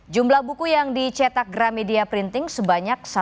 jumlah buku yang dicetak gramedia printing sebanyak satu ratus